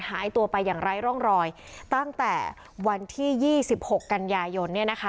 หายตัวไปอย่างไร้ร่องรอยตั้งแต่วันที่๒๖กันยายน